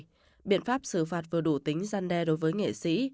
bài học này biện pháp xử phạt vừa đủ tính gian đe đối với nghệ sĩ